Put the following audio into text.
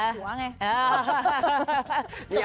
หัวไง